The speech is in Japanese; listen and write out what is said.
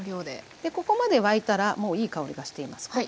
でここまで沸いたらもういい香りがしています。